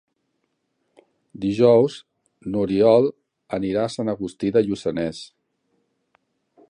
Dijous n'Oriol anirà a Sant Agustí de Lluçanès.